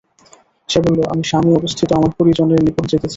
সে বলল, আমি শামে অবস্থিত আমার পরিজনের নিকট যেতে চাই।